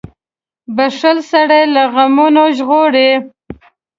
• بښل سړی له غمونو ژغوري.